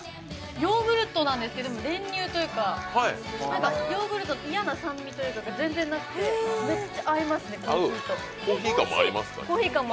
ヨーグルトなんですけどでも練乳というか、ヨーグルトの嫌な酸味が全然なくて、めっちゃ合いますね、コーヒーも。